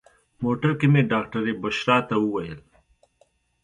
موټر کې مې ډاکټرې بشرا ته وویل.